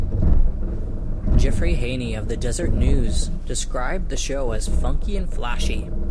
Jeffrey Haney of the "Deseret News" described the show as "funky and flashy".